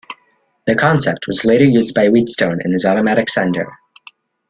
The concept was later used by Wheatstone in his automatic sender.